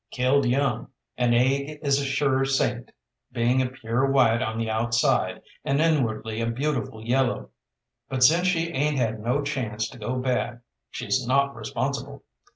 Killed young, an egg is a sure saint, being a pure white on the outside, and inwardly a beautiful yellow; but since she ain't had no chance to go bad she's not responsible.